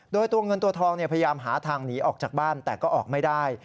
โดยตัวเงินตัวทองพยายามหาทางหนีออกจากบ้านแต่ก็ออกไม่ได้